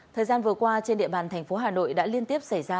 thời gian vừa qua trên địa bàn tp hà nội đã liên tiếp xảy ra